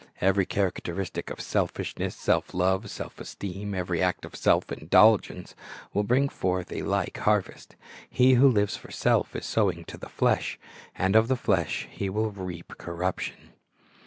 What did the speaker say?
Every characteristic of selfishness, self love, self esteem, every act of self indulgence, will bring forth a like harvest. He who lives for self is sowing to the flesh, and of the flesh he will reap corruption.